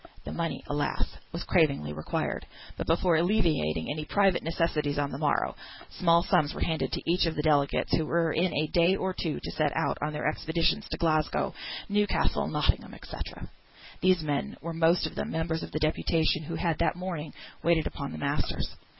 The money, alas, was cravingly required; but before alleviating any private necessities on the morrow, small sums were handed to each of the delegates, who were in a day or two to set out on their expeditions to Glasgow, Newcastle, Nottingham, &c. These men were most of them members of the deputation who had that morning waited upon the masters.